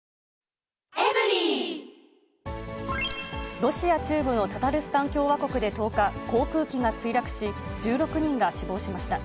ロシア中部のタタルスタン共和国で、１０日、航空機が墜落し、１６人が死亡しました。